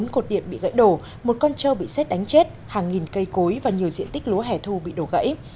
bốn cột điện bị gãy đổ một con trâu bị xét đánh chết hàng nghìn cây cối và nhiều diện tích lúa hẻ thu bị đổ gãy